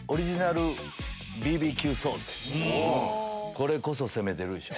これこそ攻めてるでしょ。